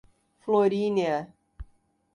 Florínea